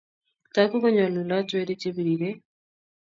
Togu ko nyalulat werik che biriren